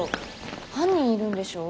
犯人いるんでしょ。